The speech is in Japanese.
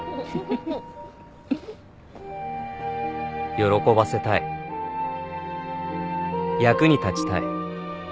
喜ばせたい役に立ちたい